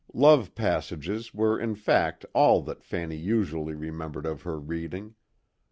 Love passages were in fact all that Fanny usually remembered of her reading.